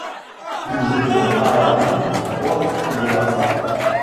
Nous étions à l'abri du froid et de la faim.